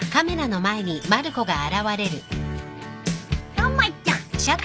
たまちゃん。